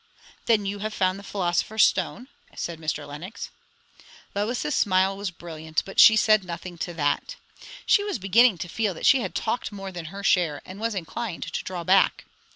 "Then you have found the philosopher's stone?" said Mr. Lenox. Lois's smile was brilliant, but she said nothing to that. She was beginning to feel that she had talked more than her share, and was inclined to draw back.